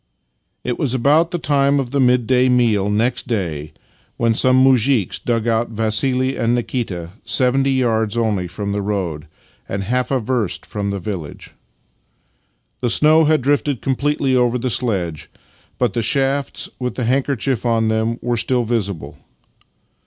It was about the time of the midday meal next day when some muzhiks dug out Vassili and Nikita — seventy yards only from the road, and half a verst from the village. The snow had drifted completely over the sledge, but the shafts, with the handkerchief on them, were still visible.